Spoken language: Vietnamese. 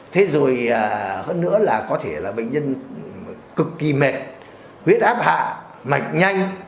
thế rồi hơn nữa là có thể là bệnh nhân cực kỳ mệt huyết áp hạ mạch nhanh